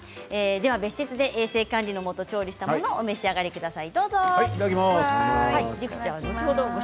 別室で衛生管理のもと調理したものをお召し上がりください。